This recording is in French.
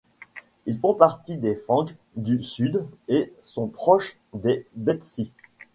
Ils font partie des Fangs du Sud et sont proches des Betsi.